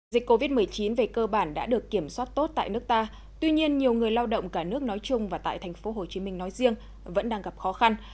dịch covid một mươi chín về cơ bản đã được kiểm soát tốt tại nước ta tuy nhiên nhiều người lao động cả nước nói chung và tại tp hcm nói riêng vẫn đang gặp khó khăn